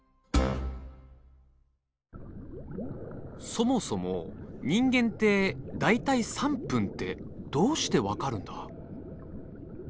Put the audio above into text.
そもそも人間って大体３分ってどうして分かるんだ？